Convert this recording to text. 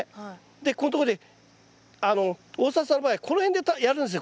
でここんとこで大沢さんの場合この辺でやるんですよ